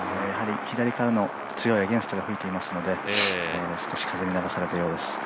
左からの強いアゲンストが吹いていますので少し風に流されたようです。